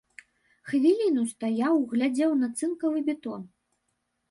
Хвіліну стаяў, глядзеў на цынкавы бітон.